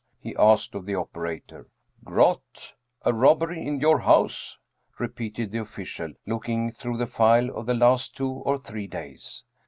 he asked of the operator. " Groth a robbery in your house ?" repeated the official, looking through the file of the last two or three days.